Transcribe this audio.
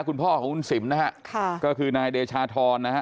คุณพ่อของคุณสิมนะฮะค่ะก็คือนายเดชาธรนะฮะ